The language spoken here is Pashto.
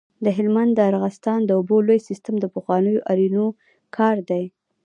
د هلمند د ارغستان د اوبو لوی سیستم د پخوانیو آرینو کار دی